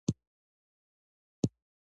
دوکاندار د خپل دوکان د نوم ښه شهرت غواړي.